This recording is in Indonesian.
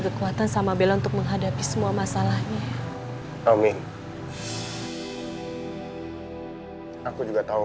kekuatan sama bella untuk menghadapi semua masalahnya romi aku juga tahu